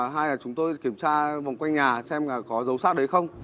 hay là chúng tôi kiểm tra vòng quanh nhà xem là có dấu sát đấy không